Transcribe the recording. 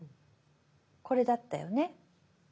これだったよね？